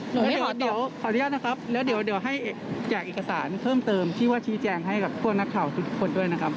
เดี๋ยวขออนุญาตนะครับแล้วเดี๋ยวให้แจกเอกสารเพิ่มเติมที่ว่าชี้แจงให้กับพวกนักข่าวทุกคนด้วยนะครับ